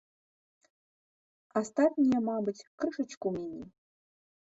Астатнія, мабыць, крышачку меней.